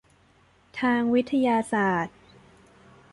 ทางวิทยาศาสตร์